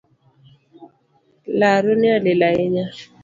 Laroni olil ahinya